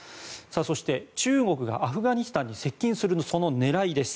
そして、中国がアフガニスタンに接近する狙いです。